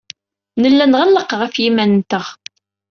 Nella nɣelleq ɣef yiman-nteɣ.